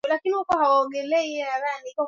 nyingi zaidi kwa ajili ya jiji eneo au nchi